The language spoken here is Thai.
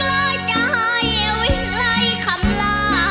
กล้าจะให้ไว้ไว้คำล่า